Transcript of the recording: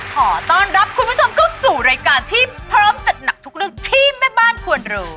ขอต้อนรับคุณผู้ชมเข้าสู่รายการที่พร้อมจัดหนักทุกเรื่องที่แม่บ้านควรรู้